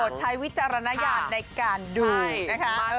ปวดใช้วิจารณญาณในการดูนะเค้า